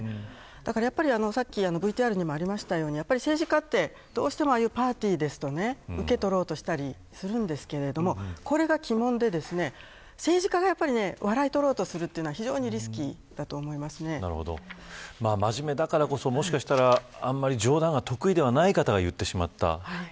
だからさっき、ＶＴＲにもありましたように、政治家ってどうしてもパーティーだとウケを取ろうとしたりするんですけれどもこれが、鬼門で政治家が笑いを取ろうとするというの非常にリスキーだと真面目だからこそもしかしたら冗談が得意ではない方が言ってしまった。